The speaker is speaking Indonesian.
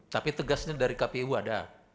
tapi tegasnya dari kpu ada